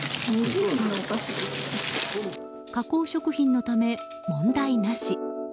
加工食品のため、問題なし。